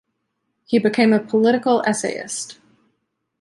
He became a political essayist.